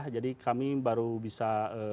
jadi kami baru bisa